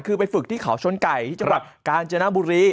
คือไปฝึกที่เขาชนไก่ที่จังหวัดกาญจนบุรี